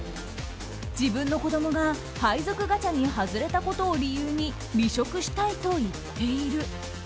自分の子供が配属ガチャに外れたことを理由に離職したいと言っている。